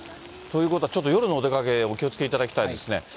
ということは、ちょっと夜のお出かけ、お気をつけいただきたいですね。